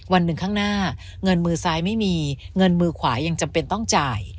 วันหนึ่งข้างหน้าเงินมือซ้ายไม่มีเงินมือขวายังจำเป็นต้องจ่าย